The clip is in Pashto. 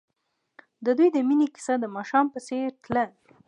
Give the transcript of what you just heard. د دوی د مینې کیسه د ماښام په څېر تلله.